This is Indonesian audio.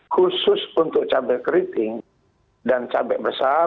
khusus untuk cabai keriting dan cabai besar